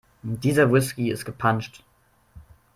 Dieser Whisky ist gepanscht.